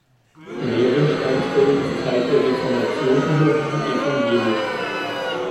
Lehrensteinsfeld ist seit der Reformation überwiegend evangelisch.